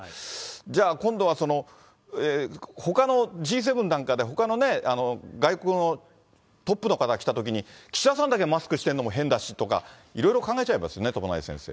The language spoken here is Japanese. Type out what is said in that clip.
じゃあ今度は、ほかのＧ７なんかで、ほかのね、外国のトップの方が来たときに岸田さんだけマスクしてるのも変だしとか、いろいろ考えちゃいますね。